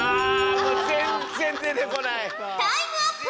タイムアップ！